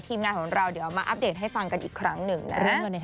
งานของเราเดี๋ยวมาอัปเดตให้ฟังกันอีกครั้งหนึ่งนะ